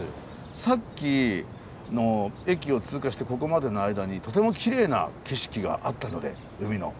さっきの駅を通過してここまでの間にとてもきれいな景色があったので海の。